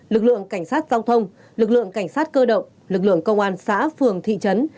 lực lượng cảnh sát giao thông lực lượng cảnh sát cơ động lực lượng công an xã phường thị trấn